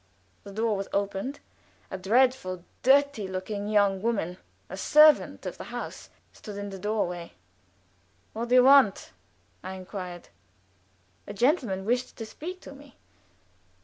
The door was opened. A dreadful, dirty looking young woman, a servant of the house, stood in the door way. "What do you want?" I inquired. A gentleman wished to speak to me.